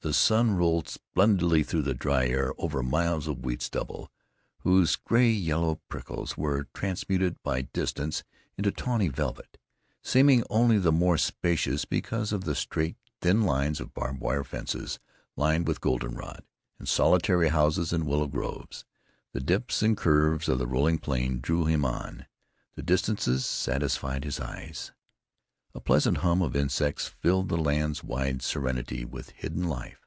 The sun rolled splendidly through the dry air, over miles of wheat stubble, whose gray yellow prickles were transmuted by distance into tawny velvet, seeming only the more spacious because of the straight, thin lines of barbed wire fences lined with goldenrod, and solitary houses in willow groves. The dips and curves of the rolling plain drew him on; the distances satisfied his eyes. A pleasant hum of insects filled the land's wide serenity with hidden life.